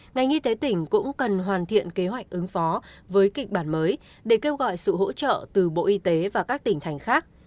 ngành y tế tỉnh cũng cần hoàn thiện kế hoạch ứng phó với kịch bản mới để kêu gọi sự hỗ trợ từ bộ y tế và các tỉnh thành khác